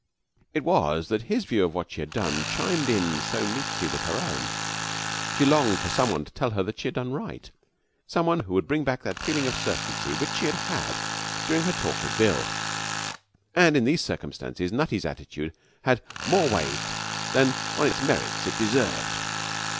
It was that his view of what she had done chimed in so neatly with her own. She longed for someone to tell her that she had done right: someone who would bring back that feeling of certainty which she had had during her talk with Bill. And in these circumstances Nutty's attitude had more weight than on its merits it deserved.